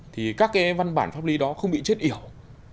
thì các cái văn bản pháp lý đó không bị chết yểu